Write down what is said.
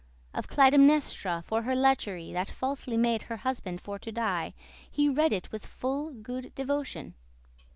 Of Clytemnestra, for her lechery That falsely made her husband for to die, He read it with full good devotion.